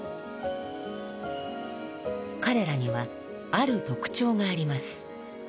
彼らにはある特徴があります。